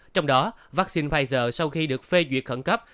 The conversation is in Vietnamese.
trong đó vaccine pfizer sau khi được phê duyệt khẩn cấp